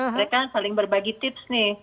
mereka saling berbagi tips nih